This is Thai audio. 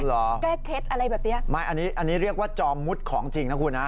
แก้เคล็ดอะไรแบบเนี้ยไม่อันนี้อันนี้เรียกว่าจอมมุดของจริงนะคุณฮะ